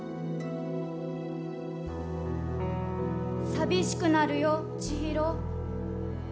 「寂しくなるよ千尋！